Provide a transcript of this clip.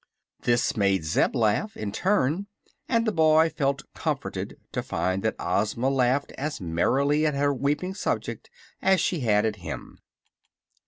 This made Zeb laugh, in turn, and the boy felt comforted to find that Ozma laughed as merrily at her weeping subject as she had at him.